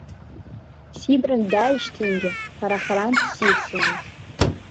Сибрантә дааижьҭеигьы хара-харантә сивсуан.